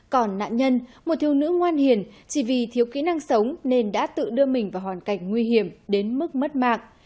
còn nạn nhân một thiêu nữ ngoan hiền chỉ vì thiếu kỹ năng sống nên đã tự đưa mình vào hoàn cảnh nguy hiểm đến mức mất mạng